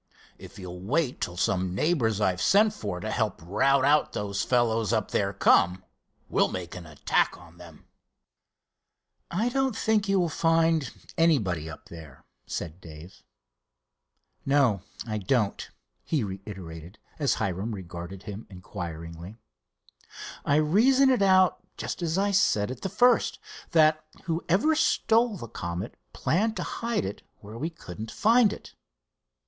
If you'll wait till some neighbors I've sent for to help rout out those fellows up there come, we'll make an attack on them." "I don't think you will find anybody up there," said Dave. "No, I don't," he reiterated, as Hiram regarded him inquiringly. "I reason it out just as I said at the first, that whoever stole the Comet planned to hide it where we couldn't find it.